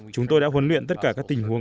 chúng tôi đã huấn luyện tất cả các tình huống